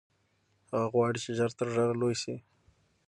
هغه غواړي چې ژر تر ژره لوی شي.